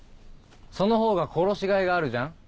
その方が殺しがいがあるじゃん？